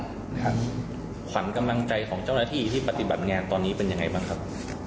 ขวัญกำลังใจของเจ้าหน้าที่ที่ปฏิบัติงานตอนนี้เป็นยังไงบ้างครับ